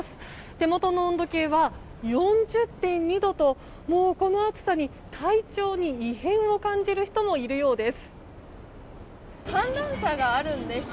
手元の温度計は４０．２度ともう、この暑さに体調に異変を感じる人もいるようです。